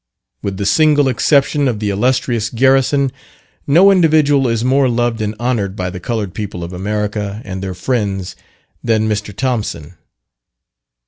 With the single exception of the illustrious Garrison, no individual is more loved and honoured by the coloured people of America, and their friends than Mr. Thompson.